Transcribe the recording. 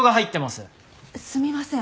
すみません。